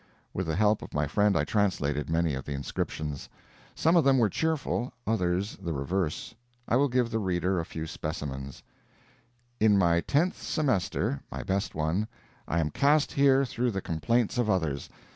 With the help of my friend I translated many of the inscriptions. Some of them were cheerful, others the reverse. I will give the reader a few specimens: "In my tenth semester (my best one), I am cast here through the complaints of others.